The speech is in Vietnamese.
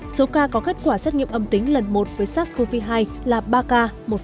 số ca có kết quả xét nghiệm âm tính lần một với sars cov hai là ba ca một